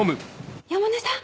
山根さん